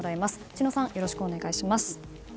知野さん、よろしくお願いします。